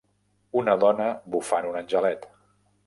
Una dona "bufant un angelet".